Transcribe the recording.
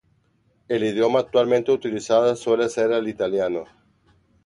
El idioma actualmente utilizado suele ser el italiano.